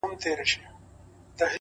زموږ د كلي څخه ربه ښكلا كډه كړې;